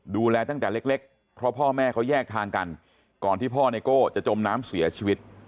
ดูแลตั้งแต่เล็กเพราะพ่อแม่เขาแยกทางกันก่อนที่พ่อไนโก้จะจมน้ำเสียชีวิต